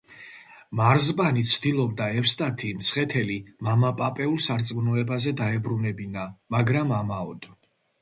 მარზპანი ცდილობდა ევსტათი მცხეთელი მამაპაპეულ სარწმუნოებაზე დაებრუნებინა, მაგრამ ამაოდ.